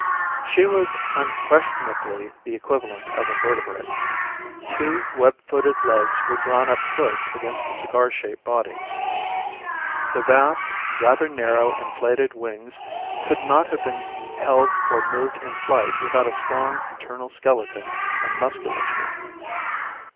She was unquestionably the equivalent of a vertebrate. Two web footed legs were drawn up close against the cigar shaped body. The vast, rather narrow, inflated wings could not have been held or moved in flight without a strong internal skeleton and musculature.